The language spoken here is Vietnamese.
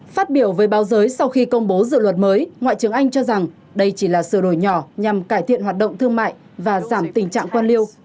phát biểu với báo giới sau khi công bố dự luật mới ngoại trưởng anh cho rằng đây chỉ là sửa đổi nhỏ nhằm cải thiện hoạt động thương mại và giảm tình trạng quan liêu